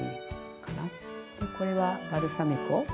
これはバルサミコ。